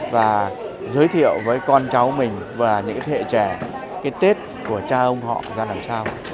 và giới thiệu với con cháu mình và những thế hệ trẻ cái tết của cha ông họ ra làm sao